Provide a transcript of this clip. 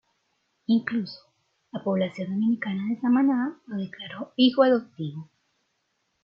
Incluso, la población dominicana de Samaná lo declaró "Hijo Adoptivo".